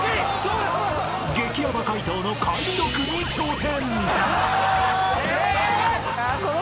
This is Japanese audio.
［激ヤバ解答の解読に挑戦］